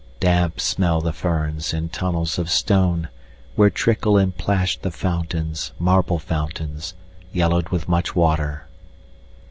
Damp smell the ferns in tunnels of stone, Where trickle and plash the fountains, Marble fountains, yellowed with much water.